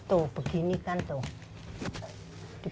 tuh begini kan tuh